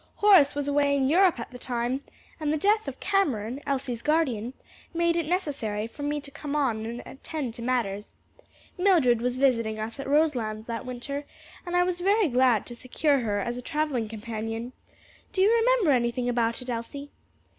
Horace was away in Europe at the time, and the death of Cameron, Elsie's guardian, made it necessary for me to come on and attend to matters. Mildred was visiting us at Roselands that winter, and I was very glad to secure her as travelling companion. Do you remember anything about it, Elsie?"